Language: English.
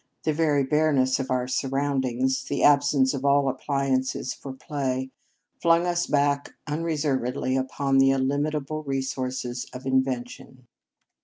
The very bareness of our surroundings, the absence of all appliances for play, flung us back unreservedly upon the illimitable resources of invention.